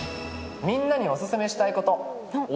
みんなにお勧めしたいこと。